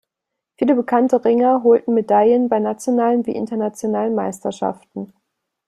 Viele bekannte Ringer holten Medaillen bei nationalen wie internationalen Meisterschaften.